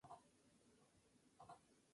Las hojas son pubescente-glandulosas, lineares.